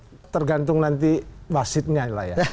saya tergantung nanti wasitnya lah ya